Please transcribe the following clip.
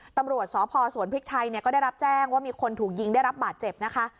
ตำรวจสพสวนพริกไทยเนี่ยก็ได้รับแจ้งว่ามีคนถูกยิงได้รับบาดเจ็บนะคะ